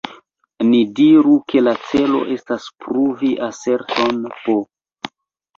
Ni diru, ke la celo estas pruvi aserton "p".